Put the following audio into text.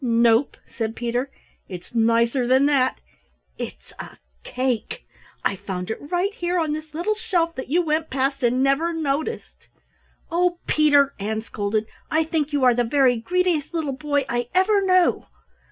"Nope," said Peter. "It's nicer than that, it's a cake. I found it right here on this little shelf that you went past and never noticed." "Oh, Peter," Ann scolded, "I think you are the very greediest little boy I ever knew!"